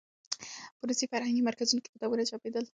په روسي فرهنګي مرکز کې کتابونه چاپېدل.